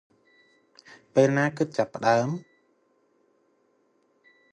ពេលណាគិតចាប់ផ្តើម?